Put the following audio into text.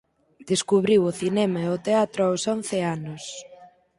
Descubriu o cinema e o teatro aos once anos.